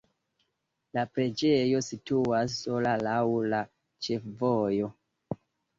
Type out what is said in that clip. La preĝejo situas sola laŭ la ĉefvojo.